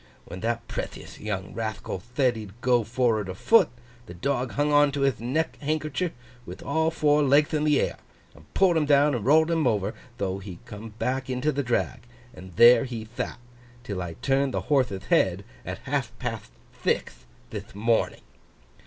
When that prethiouth young Rathcal thed he'd go for'ard afoot, the dog hung on to hith neck hankercher with all four legth in the air and pulled him down and rolled him over. Tho he come back into the drag, and there he that, 'till I turned the horthe'th head, at half patht thixth thith morning.